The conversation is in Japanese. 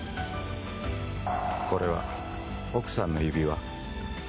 これは奥さんの指輪？